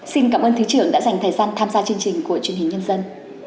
xin cảm ơn thứ trưởng đã dành thời gian tham gia chương trình của truyền hình nhân dân